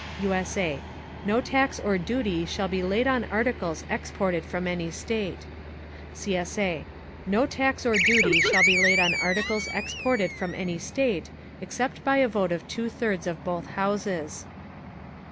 [USA] No Tax or Duty shall be laid on Articles exported from any State. [CSA] No tax or duty shall be laid on articles exported from any State except by a vote of two thirds of both Houses.